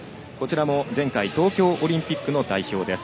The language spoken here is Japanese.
前回、東京オリンピック代表。